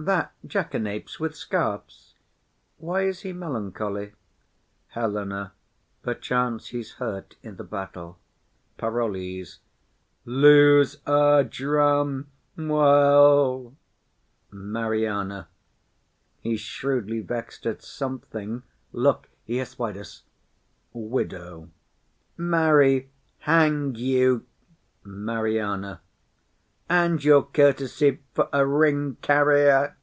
That jack an apes with scarfs. Why is he melancholy? HELENA. Perchance he's hurt i' the battle. PAROLLES. Lose our drum! Well. MARIANA. He's shrewdly vex'd at something. Look, he has spied us. WIDOW. Marry, hang you! MARIANA. And your courtesy, for a ring carrier!